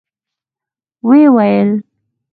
ويې ويل: